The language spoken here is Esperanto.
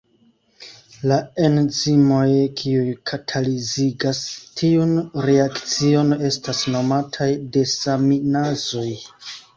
La enzimoj kiuj katalizigas tiun reakcion estas nomataj desaminazoj.